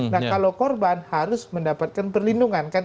nah kalau korban harus mendapatkan perlindungan kan